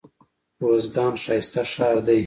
روزګان ښايسته ښار دئ.